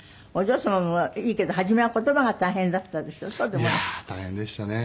お嬢様もいいけど初めは言葉が大変だったでしょ？